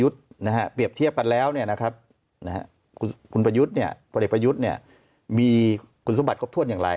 แต่ของเอกประยุทธมีคุณสมบัติครบถ้วนอย่างไร